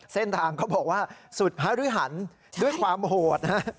เส้นทางเขาบอกว่าสุดภาริหรรณด้วยความโหด